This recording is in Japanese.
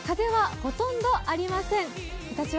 風はほとんどありません。